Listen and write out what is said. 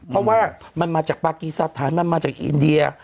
เพราะว่ามันมาจากปากีสถานมันมาจากอินเดีย